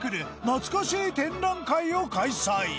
なつかしー展覧会を開催